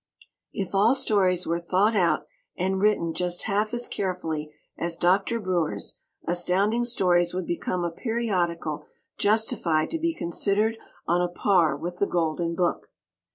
If all stories were thought out and written just half as carefully as Dr. Breuer's, Astounding Stories would become a periodical justified to be considered on a par with The Golden Book.